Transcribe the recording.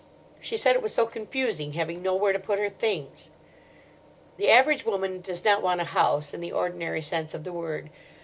She said it was so confusing, having nowhere to put her things. The average woman does not want a house, in the ordinary sense of the word.